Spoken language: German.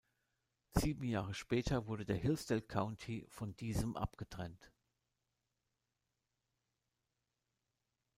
Sieben Jahre später wurde der Hillsdale County von diesem abgetrennt.